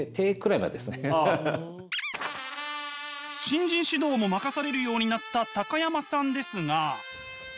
新人指導も任されるようになった高山さんですが。